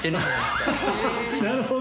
なるほど。